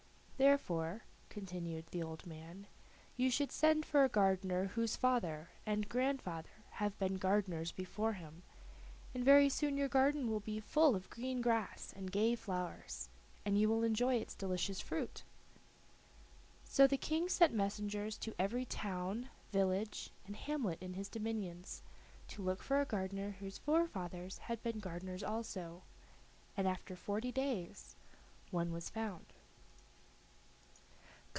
"Therefore," continued the old man, "you should send for a gardener whose father and grandfather have been gardeners before him, and very soon your garden will be full of green grass and gay flowers, and you will enjoy its delicious fruit." So the King sent messengers to every town, village, and hamlet in his dominions, to look for a gardener whose forefathers had been gardeners also, and after forty days one was found.